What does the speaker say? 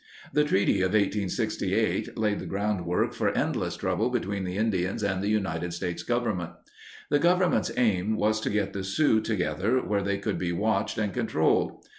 The Treaty of 1868 laid the groundwork for end less trouble between the Indians and the United States Government. The Government's aim was to get the Sioux together where they could be watched and controlled.